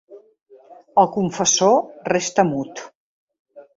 El confessor resta mut.